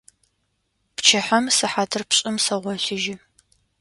Пчыхьэм сыхьатыр пшӀым сэгъолъыжьы.